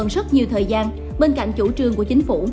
rất nhiều thời gian bên cạnh chủ trương của chính phủ